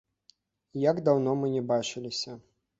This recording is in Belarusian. Як даўно мы не бачыліся!